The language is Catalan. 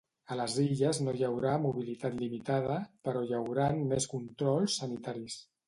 A les Illes no hi haurà mobilitat limitada, però hi hauran més controls sanitaris.